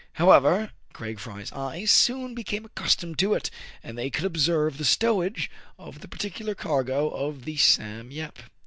However, Craig Fry's eyes soon became accustomed to it ; and they could observe the stowage of the particular cargo of the " Sam Yep."